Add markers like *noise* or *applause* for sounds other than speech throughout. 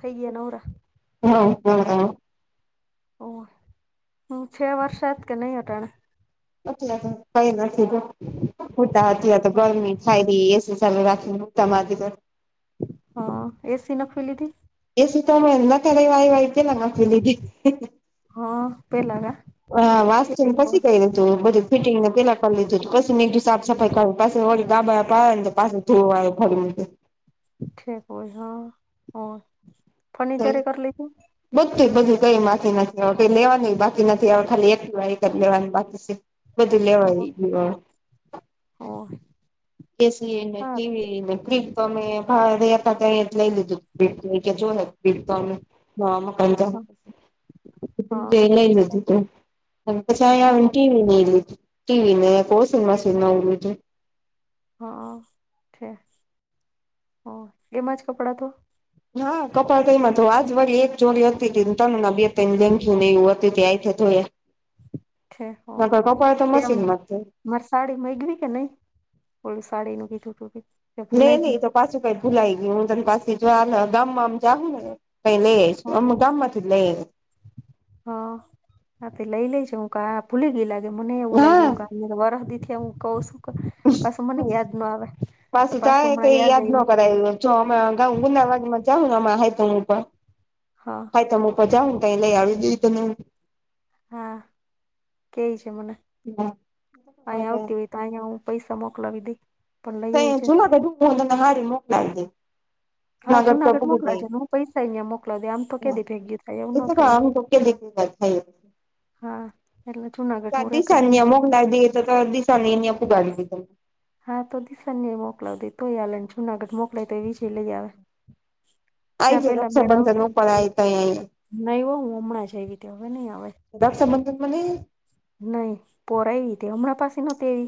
થઈ ગયા નવરા હા હા હા. ઓ હમ છ વર્ષ કે નહીં હટાણે અચ કઈ નથી. હૂતા હતી તો ગરમી થાય ર એ ચાલુ રાખીનેતા મા. હ એસી ના ખોલી હતી. એ સુું તો અમે એમ ના કરય વાય કે લગી લીધી. હા પેલા ના. હા વાસ્તુ ને પછી કઈ તું બધું. ફિટિંગ પેલા કરી લીધુંું પછી નીકઠી સાફ સફાઈ કર પાછળ ગાબા આવે ને તો પાછ ધોવા આવ ફરીુ. ઠીક હોય હા ફર્નિચરી કર લીજું. બધું બધું કઈ બાકી નથી ક લેવાનું બાકી નથી હવે ખાલી એલું. લેવાની બાત છે બધું હા લેવાય. ઓ એસીને સારું ટીવીને ફ્ર્રીજ તો અમે ભ રતા ત્યા લઈ લીધું ફજ કે જો હ કચ *inaudible* હા જઈ લ લધું ઓ તુંટીધું ટીવીને વોશિંગ મશીન નવું લીધું હા છે હ એમાં જ કપડાં ધો હા કપડાં તો એમાં ધોવ આજ વળી એક જોડી હતી ને તનના બે તન લેંઘ્યું ને એવું હતી તે હાથે ધોયા છે ઓ નકર કપડાં તો તેમ મશીન માં જ ધોવ મારે સાડી મગવી કે નહી ઓલી સાડી નું કીધુંતુ તે નઈ નહી તો પાછું કઈ ભુલાઈ ગયું હું તને પાછી જો ગામમા જાહું ને તો ત્ય લઈ આવીશ ઓમ ગામમાંથી લઇ હ આ તે લઈ લેજ હું કા ભૂલી ગય લાગે મને એવું હા લાગુ કા વરહ દી થી કઉ છું હું પાસુ મને યાદ ના આવે પાસું તો પાછું આ હમણાં કઈ યાદ ન આવ્યું કરાયુ જો અમે અગાઉ ગુંદાવાડી માંથી સમાં તપ *inaudible* હા હાતમ ઉપર જાહું તઈ લઈ આવી દઈ તને હું હા કે જે મને અહીયા આવતી હોય આયા હું પૈસા મોકલા દઇ તઈ જૂના તો ડને હારી મોકલાજ *inaudible* હા તગર ચોપ જુનાગઢ દી મોકલાજે ને હું પૈસા અહીંયા મોકલાવી દે આમ તો કેદી ભેગી થાય એવું ન થાય જઈ *unintelligible* હેલો. હા એટલા જૂનાગઢ હું *unintelligible* ખપ દિશા ની ત્યાં પુગાડી દેજો હા તો દિશાને મોકલાવી દે તો ભી હાલે ને જુનાગઢ મોકલાય તો એ વિજય લઈ આવે. આઈ જ્યાં જા પેલા મેળ રક્ષાબંધન આવતો ઉપર આઈ તઈ આઈ નહી હો હું હમણાં જઈ ત હવે નહી આવે રક્ષાબંધન માં નઈ આવ? નહી પોરાઆવીતી હમણાં પાસી નતી આવી?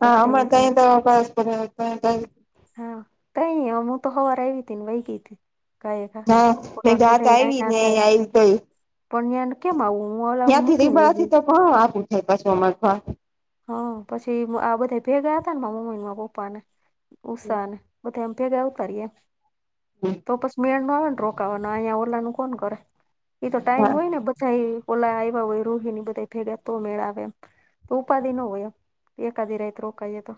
હા અમારે તો આયતો *unintelligible* હા કઈ હું તો સવાર આવી હતી ને વહી ગઈ હતી. ઘાયઘા હા મેં ઓલા ન ગાત બધા આવી આયના ને હતા એટલે આઈ તઈ પણ્યાને કેમ આવું હું ઓ ત્યાંથી મૂકીને વઇ ગઇ. રીબાથી તો ઘણું આઘું થાય પાછું અમારે હા પછી આ બધા ભેગા હતા ને મારા મમ્મી પપ્પા ને ઉષા ને બધાય અમે ભેગા આવતા રયા તો પછી મેં. *unintelligible* રોકાવાના અહીંયા ઓલા નું કોણ કરે એ તો ટાઈમ હા હોય ને બધા એ ઓલા આવ્યા હોય રોહિને બધા ભેગા તો મેળ આવે એમ ઉપાધી ન હોય એમ એકાદી રાત રોકાઈએ તો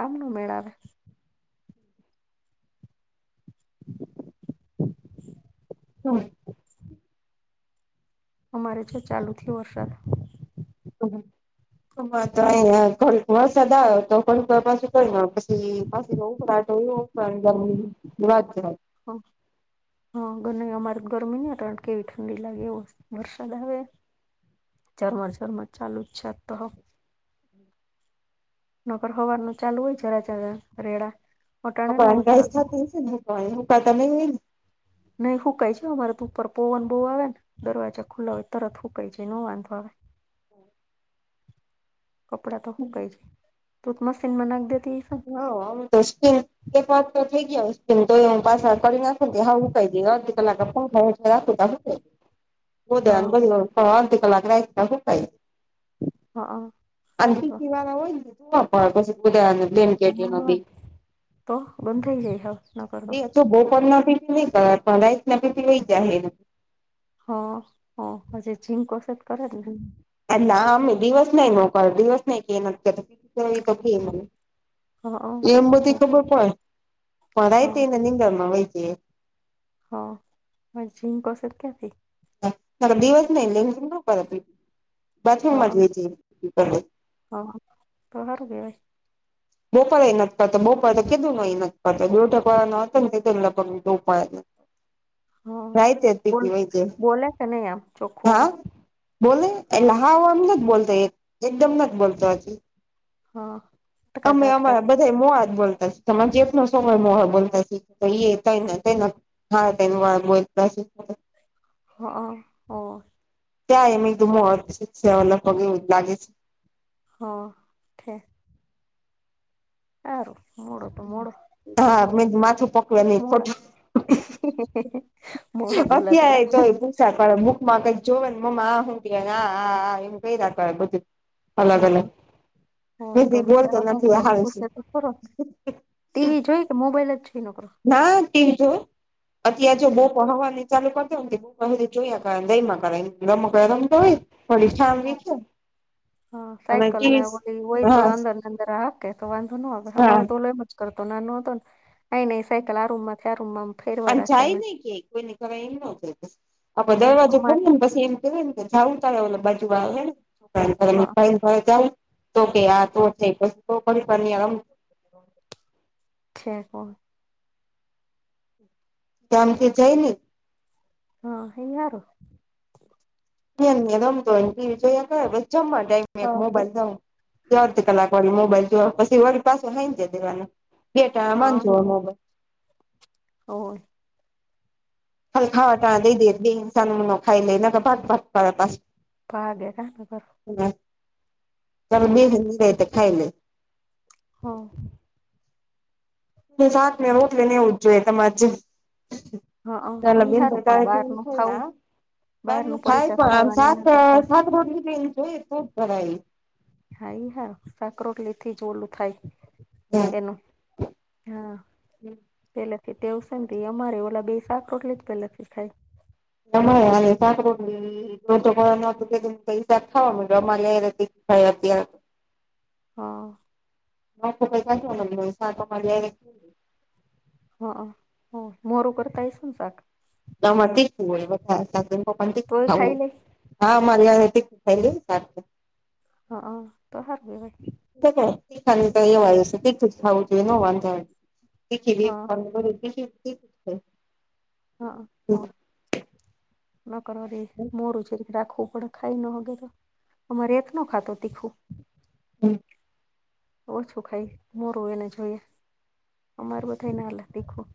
આમ ન મેળ આવે. *inaudible* *unintelligible* અમારે જો ચાલુ થ્યો વરસાદ. હ *unintelligible* અમારે તો આયા ઘડીક વરસાદ આવ્યો તો ઘડીવાર પાછું કઈ ન હોય પછી પાછું ઉકળાટ. પણ વાત વાત હા હા ભલે અમારે ગરમી નહીં અટાણે કેવી ઠંડી લાગે એવો વરસાદ આવે ઝરમર ઝરમર ચાલુ જ છે આજ તો નકર હવાર ન ચાલુ હોય જરા જરા રેડા અટાણે ન હોય *unintelligible* કપડાં સુકાતા નઈ હોય ને? નઈ હુકાય છે હો અમારે તો ઉપર પવન બહુ આવે ને. દરવાજા ખુલ્લા હોય તરત ફૂકાઈ જાય ન વાંધો આવે. *inaudible* કપડા તો હુકાય જાય તું તો મશીનમાં નાખી દેતી હેયસ ને? હા તો *unintelligible* એક વાર તો થી ગયા તો થઈ ગયા તો એું પાછા કરી નાખ હા હું કઈ ગ અડધ કલાક પણ રાખું ત હ બધ હા બધ અર્ધ કલાક રા એક ખાય હા *unintelligible* અને સારું તો કવા ના હોય *unintelligible* એમાં હા બેય તો બંધ થઇ જઈ હવે દ તો બહ પણ ન પી ભલાઈ ન પીય જાય *unintelligible* હ હ હ જે જીંક વશેત કર એટલે અમે દિવસ નાઈ નોક દિવસ નહી કે નથી *unintelligible* હા એમ બધી હા ખબર પડ પણાય હા તેને નિનીંદણ માં હોય છે હ હ જીકો સર ક્યા થી દિવસ ન લેન્મ ના કર બાથરૂમમાં હા જોય છે હા તો હાર કે બપા એ નથી કરતો બોપા તો કેધું ન એ કરતો બે ટેક વા ન હતો ને લગ બોપાને હા નાહિત તે થી બોલ પીવાય જાએ બોલે કે નહી આમ ચોખ્ખું હા બોલે હવે હા એલે હ એમ બોલતો એકદમ નથી બોલતો હજ હા. અમે અટકાતા અમારા અટકાતા બધાય મોઆજ બોલતા. તમારો જેટનો સોકરો મોઆ બોલતા હી એ તઈ નો તઈ નો. હા તેની મા બોલતા શીખવાડે. હા હા અ ત્યાં એમ એકદ મો સેવા પગ એ લાગે છે. હા ઓકે. હારુ મોડુ તો મોડુ બીજું હા હું હોય મેં માથું પકવે કોઈક નહી મોડા. ખોટું મોડો બોલા ત પણ બુકમાં કઈક જોવે ને મમ્મા આ હું કે આ ને આ આ કૈરા કરે બધું. અલગ-અલગ હા હોય કોઈ તો દી બોલતો બિચારો શું નથી એ કરે હારુ છે. પૂછે તો ખરો ટીવી જોઈ કે મોબાઈલ જ જોઈ નકરો. ના ટીવ જોવે અત્યારે જો છે બૉપ હવારની ચાલુ કર દવ તે બપોર હુદી જોયા કરે ને રૈમાં કરે રમકડાં રમે તોય હા થોડી ઠામ હા વીતું હા સાયકલ ને એવું બધું હોય તો હા અંદર ને અંદર હાકે કા વાંધો ના આવેે હા અમારે તો ઓલા કરતો નાનો હતો ને આઈ નઈ સાયકલ આ રૂમમાંથી આ રૂમમાં. ફેરવા આમ રાખે જાય ને નહી કે કોઈને ઘરે એમ નો કહે પસી આપડ હા દરવાજો ખોલ અમારે ને પછી એમ કે જાવું તારે ઓલા બાજુ વાળા હેને હા ભાઈ ને ઘરે જાવું છે. તો કે હા તો છે તો પણ ફરી આમ રમ છે કોણ. તે હમકે જયની. હા હૈઆરુ. એમ ને એમ રમતો હોય ને ટીવી જોયા કરે પછી જમવા ટાઈમે એક હા મોબાઈલ દઉં. અર્ધી કલાક વળી મોબાઈલ જોવે હે પછી વળી પાસુ હાંજેય દેવાનું બે ટાણા માંગે હે મોબાઈલ. હો. ખાલી ખાવા ટાણે દઈ દીય બેહીને સાણો માણો ખાઈ લે નઈ તો ટક ટક કરે પાસું. તમારા ડેડા સુ કરે. *unintelligible* હા. બે શાક ને રોટલી એવું જ જોઈએ તમાર જેમ. *unintelligible* હા એક ઈ રોટલી હારું પણ બહાર ખઈ ને નું તો ખાવું બહાર નું પડીકા ખાવાને એના કરતા જોઈએ તોજ ધરાય. હા ઇ હા શાક રોટલીથી જ ઓલું થાય. હા. એનું હા. પેલેથી ટેવ સે ને તી અમારે ઓલા બે શાક રોટલી જ પેલેથીજ ખાય. અમારે હાલે શાક રોટલી. ન કસા ખાવવા મ અમા ત *unintelligible* હા. આમ તો કઈ ખાતું નથી વળી શાક અમારી હાઈરે હા અ મોરું કરતા હઇસો ને શાક. ના અમાર તીખું હોય વધારે કારણ કે એના પપ્પા ને તીખું તોય ખાવુ ખાઈ હોય. લે હા અમારી હાઈરે તીખું ખાઈ લે ને શાક તો. હ અ તો હારુ કહેવાય. *unintelligible* તીખું જ ખાવું જોઈએ નો વાંધો આવે. એ કે બે હા ફોન કરુ ટિફિન ફિનિશ થાય. હા અ ફોન મે કરું રી. હમ્મ. મોરું જેરીકે રાખવું પડે ખાઈ ન હકે તો આમરે હેત નો ખાતો તીખું. હમ ઓછું ખાઈ મોરું એને જોઈએ અમારું બ થાય ના તીખું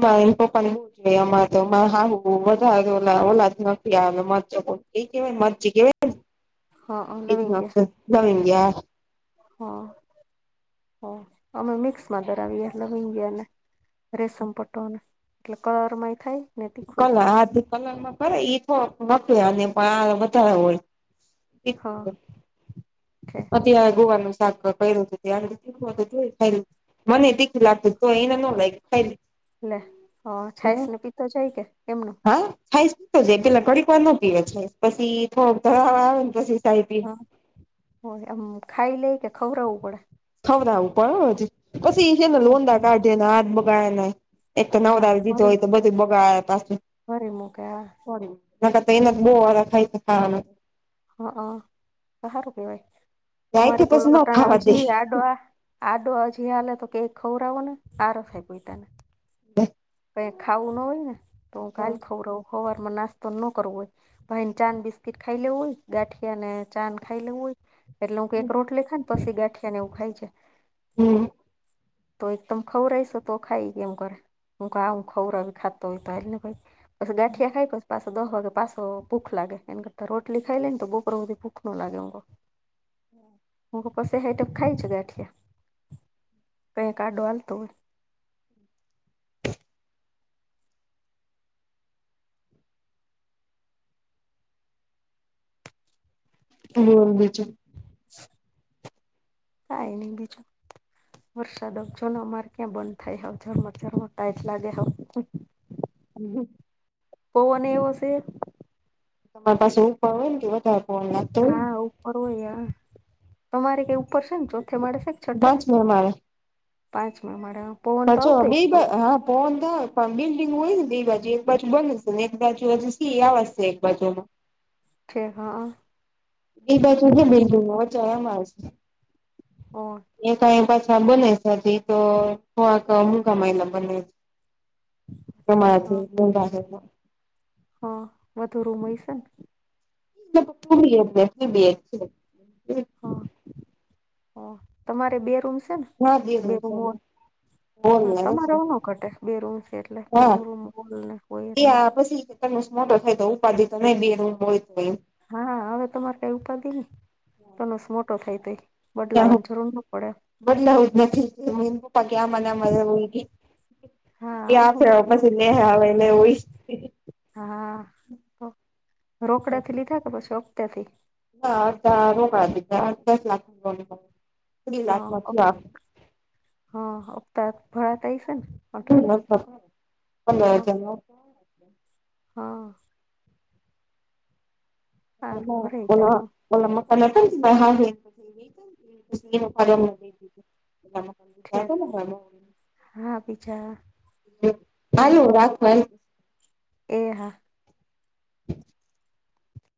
હ એ પ આમાં તો હું બારે ઓલા જ નથી આવે મરચ એ કેવાય મરચી હા કેવા એ નવનયાર હા હ અમે મિક્સમાં ધરાવીએ એટલે ભઈ ગયા ને રેશમ પટોનું એટલે કલર માંય થાય ને તીખુંય કલર થાય એમ. આ કલરમાં કરે એ થોડ નક અને પણ આ વધારે હોય એ હા છે અ તં ગોવાનું શાક કરું હત ત મને એટ લાગતું હત તો એને ન લ લ હ છાઈસ ને પિતતો જાય કે એમનો હા ખાઈ શતો જ પેલા કડીકર ન પીવે છે પછી થોડોક તરાવ આવેને પછ સાઈ હા હોય આમ ખાઈ લે કે ખવરવવું પડે ખવડાવું બરોબર છે પછી એ છે ને લોડાા શું કાઢેના હાથ બગયાના એક તો હા નવદારી દીધું ભરી હોય તો મૂકે બધું બગા પાસે ભરી મૂકે ના તો એના બો વાળા ખાય ખાવાનું હા હ સારું કેહેવાય જાય કે અમારે તો પછી ન લટાણા ખાવા દે હજી આડવા આડો હજી હલે તો કેક ખવરાવો ને આરો થાય પ તને બ ક ખાવું ના હોય ને તો હું કાલ ખવું રહું ખવારમાં નાસ્તો ન કરવું હોય ભાઈ ને ચાન બિસ્કીટ ખાઈ લેવું હોય ગાંઠિયા ને ચાાન ખાઈ લેવું હોય એટલે હું કઈ એક રોટલી ખા ને પછી ગાંઠિયા ને એું ખાય છે હમ તો એકદમ ખવું રઈશ તો ખાઈ કેમ કરે હું કું ખવરા ખાતો હોય તો એને પછી ગાંઠિયા ખાય પછ પાછો દહ વાગે પાછો ભૂખ લાગે એ કરતા રોટલી ખાઈ લે ને તો બોકરોધી ભૂખ નો લાગે હ હું કસે હેઠપ ખાઈ છે ગાઠિયા કઈ ક આડો હલતો હોય હ બજ કઈ નહી બી છો વરસાદ અમારે ક્યાં બંધ થાય હ ઝર ચર ટાાઈટ લાગે હમ ઓને એવુંશે તમારી પાસે એવું પણ હોય ને તો વધારે પવન લાગતો હોય હા ને ઉપર હોય આ તમારે કઈ ઉપર છે ને ચો મળે છે, કે છઠ્ઠા પાંચમે પાંચમાં મળે સાચો બેી બ હા પોવંધ હ બિલ્ડિંગ હોય ને બે બાજુ એક બાજુ બનેશે ને એક બાજુ હજુ સી આવવાજશે એક બાજુમાં ફ હા એ બાછુ છે, બિલકુલ ન વચે એમાં ઓ એ કઈ પાછા બને તોક મકા માયલા બને છે હા પ્રમાથી હા વધુ રૂમય છે, ને બી બી છે. હ હ તમારે બે રૂમ છે, ને હા દી હ બે રૂમ હોય હા તમારે ઓ ન કટે બે રૂમ છે, એટલે હા પેલું રૂમ હોલ ને હોય એટલે ત્યાં પછી મોટો થાય તો ઉપાધિ તો નહી બે હોય તોમ હા હવે તમારે કઈ ઉપાધિ ને તનુસ મોટો થાય તો બદલાવાની જરૂર ન પડે. બદલવું નથી મમ્મી-પપ્પા કે *unintelligible* મુલગી હા હવે યા હું ફે બદલાવે પછી ને આવેવેને હોય. હા તો રોકડાથી લીધા કે પછી રોકતાથી? ના અધ રોકા દીધા અ દસ લાખ ત્રીસ લાખમાં હા થિયા. હા હપ્તા ભરાતાય છે, ને વટાણ પંદર તો હજાર હા. *unintelligible* ઓ મત હા ભરાઈ જાય હું *unintelligible* ઠેક *unintelligible* હા પીછા હારું રાખવાલ એ હા. *unintelligible*